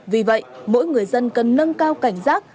vì vậy mỗi người dân cần nâng cao cảnh giác